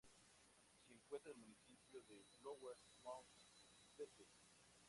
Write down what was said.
Se encuentra en el Municipio de Lower Mount Bethel.